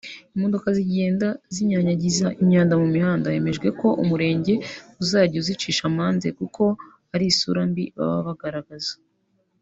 Imodoka zigenda zinyanyagiza imyanda mu mihanda hemejwe ko umurenge uzajya uzicisha amande kuko ari isura mbi baba bagaragaza